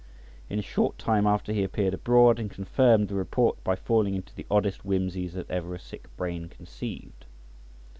In a short time after he appeared abroad, and confirmed the report by falling into the oddest whimsies that ever a sick brain conceived.